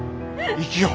生きよう。